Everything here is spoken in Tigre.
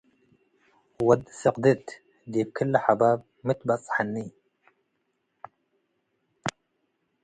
ወድ-ስቅድት ዲብ ክለ ሐባብ ሚ ትበጽሐኒ?